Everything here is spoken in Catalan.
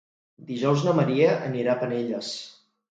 Dijous na Maria anirà a Penelles.